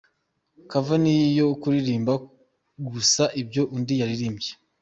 Cover ni iyo uri kuririmba gusa ibyo undi yaririmbye.